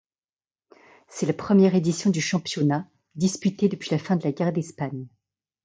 C'est la première édition du championnat disputée depuis la fin de la guerre d'Espagne.